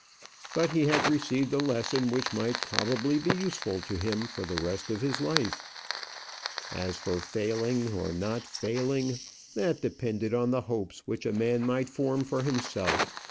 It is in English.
But he had received a lesson which might probably be useful to him for the rest of his life. As for failing, or not failing, that depended on the hopes which a man might form for himself.